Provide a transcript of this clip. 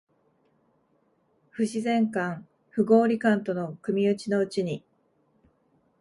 不自然感、不合理感との組打ちのうちに、